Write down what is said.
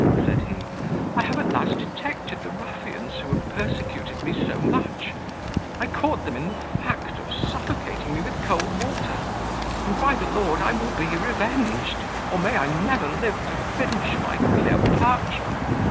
said he, "I have at last detected the ruffians who have persecuted me so much. I caught them in the fact of suffocating me with cold water; and by the Lord, I will be revenged, or may I never live to finish my Cleopatra.